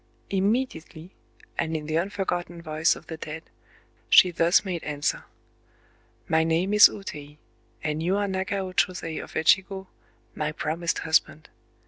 Immediately,—and in the unforgotten voice of the dead,—she thus made answer:— "My name is O Tei; and you are Nagao Chōsei of Echigo, my promised husband.